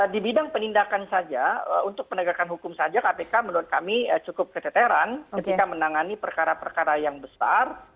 di bidang penindakan saja untuk penegakan hukum saja kpk menurut kami cukup keteteran ketika menangani perkara perkara yang besar